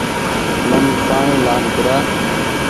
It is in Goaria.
من پآڻيٚ لآن پيرآن